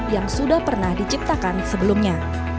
yang sudah pernah diciptakan sebelumnya